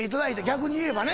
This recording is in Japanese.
逆に言えばね。